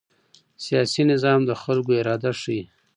سیاسي نظام د خلکو اراده ښيي